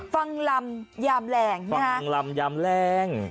ฟังลำยามแหล่งนะฮะฟังลำยามแหล่ง